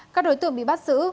các đối tượng bị bắt giữ